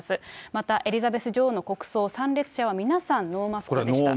またエリザベス女王の国葬、参列者は皆さん、ノーマスクでした。